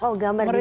oh gambar desain